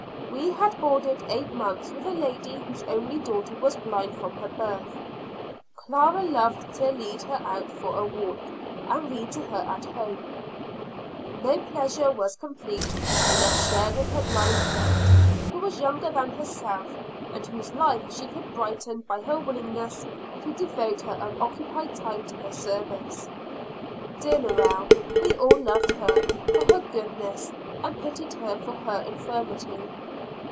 We had boarded eight months with a lady whose only daughter was blind from her birth. Clara loved to lead her out for a walk, and read to her at home; no pleasure was complete unless shared with her blind friend, who was younger than herself, and whose life she could brighten by her willingness to devote her unoccupied time to her service. Dear Lorelle, we all loved her for her goodness, and pitied her for her infirmity.